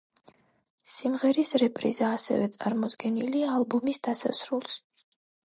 სიმღერის რეპრიზა ასევე წარმოდგენილია ალბომის დასასრულს.